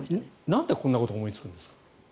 なんでこんなこと思いつくんですか？